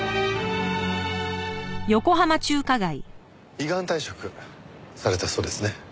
依願退職されたそうですね。